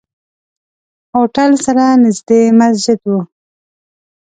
هوټل سره نزدې مسجد وو.